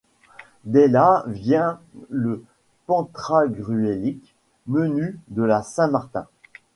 De là vient le pantagruélique menu de la Saint-Martin.